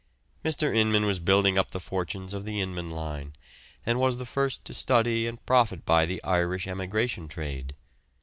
William Inman was building up the fortunes of the Inman Line, and was the first to study and profit by the Irish emigration trade.